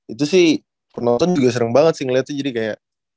itu sih penonton juga serem banget sih ngeliatnya jadi kayak